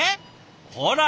ほら！